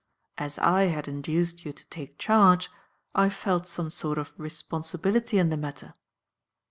As I had induced you to take charge, I felt some sort of responsibility in the matter."